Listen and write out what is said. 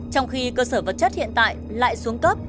trong khi cơ sở vật chất hiện tại lại xuống cấp